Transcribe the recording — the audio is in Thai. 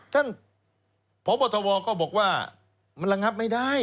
ท่านพบทวก็บอกว่ามันระงับไม่ได้